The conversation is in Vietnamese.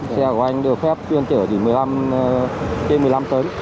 xe của anh được phép chuyên chở trên một mươi năm tấn